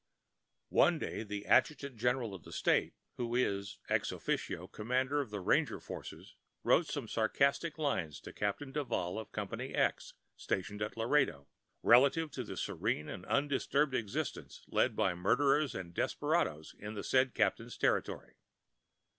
One day the adjutant general of the State, who is, ex offico, commander of the ranger forces, wrote some sarcastic lines to Captain Duval of Company X, stationed at Laredo, relative to the serene and undisturbed existence led by murderers and desperadoes in the said captain's territory.